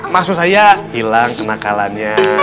maksud saya hilang kenakalannya